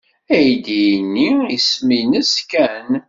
Aydi-nni isem-nnes Ken.